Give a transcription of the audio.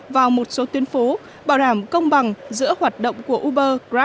vào một số tuyến phố bảo đảm công bằng giữa hoạt động của uber grab và uber grab